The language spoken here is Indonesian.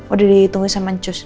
udah dihitungi sama ancus